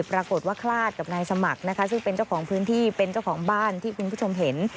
ปรากฏว่าคลาดกับนายสมัครนะคะซึ่งเป็นเจ้าของพื้นที่เป็นเจ้าของบ้านที่คุณผู้ชมเห็น